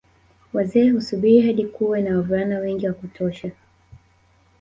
Wazee husubiri hadi kuwe na wavulana wengi wa kutosha